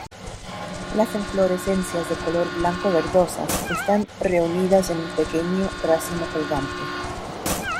Las inflorescencias de color blanco verdosas están reunidas en un pequeño racimo colgante.